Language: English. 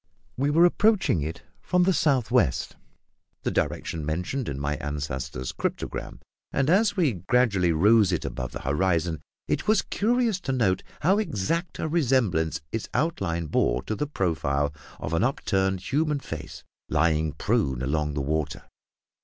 We were approaching it from the south west the direction mentioned in my ancestor's cryptogram and as we gradually rose it above the horizon it was curious to note how exact a resemblance its outline bore to the profile of an upturned human face lying prone along the water.